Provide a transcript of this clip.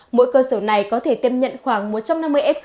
mỗi cơ sở này có thể tiếp nhận khoảng một trăm năm mươi f